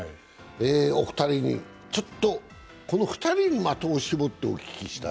お二人にちょっと、この２人に的を絞ってお聞きしたい